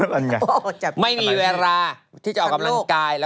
เปิดให้หน่อยซิได้สิครับ